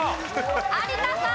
有田さん。